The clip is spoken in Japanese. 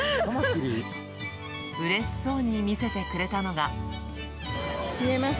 うれしそうに見せてくれたの見えます？